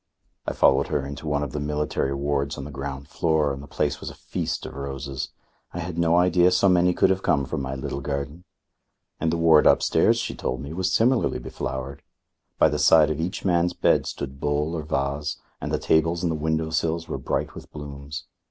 I followed her into one of the military wards on the ground floor, and the place was a feast of roses. I had no idea so many could have come from my little garden. And the ward upstairs, she told me, was similarly beflowered. By the side of each man's bed stood bowl or vase, and the tables and the window sills were bright with blooms.